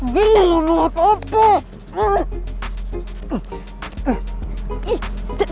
gim dulu apaan